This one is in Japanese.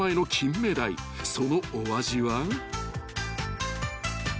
［そのお味は］